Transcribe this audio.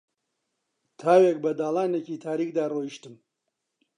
تاوێک بە داڵانێکی تاریکدا ڕۆیشتم